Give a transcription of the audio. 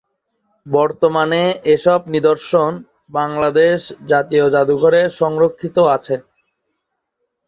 বর্তমানে এসব নিদর্শন বাংলাদেশ জাতীয় জাদুঘরে সংরক্ষিত আছে।